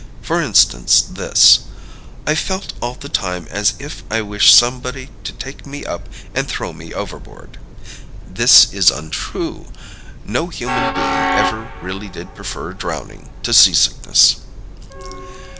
For instance this: "I felt all the time as if I wished somebody to take me up and throw me overboard." This is untrue no human being ever really did prefer drowning to seasickness.